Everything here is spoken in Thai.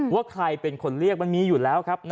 ว่าใครเป็นคนเรียกมันมีอยู่แล้วครับ